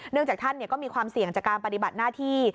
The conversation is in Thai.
จากท่านก็มีความเสี่ยงจากการปฏิบัติหน้าที่